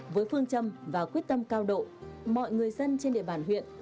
với phương châm và quyết tâm cao độ mọi người dân trên địa bàn huyện